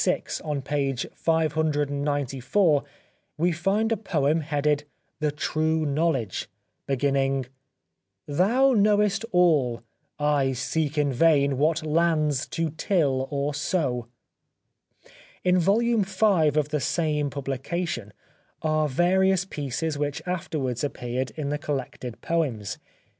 (1876), on page 594, we find a poem headed " The True Knowledge," be ginning :" Thou knowest all — I seek in vain What lands to tiU or sow." In vol. V. of the same publication are various pieces which afterwards appeared in the col lected poems.